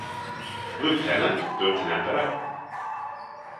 Lieutenant? dooyrt yn Emperor.